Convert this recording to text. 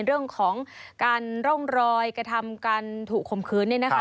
เรื่องของการร่องรอยกระทำการถูกข่มขืนเนี่ยนะคะ